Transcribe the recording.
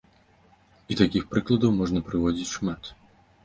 І такіх прыкладаў можна прыводзіць шмат.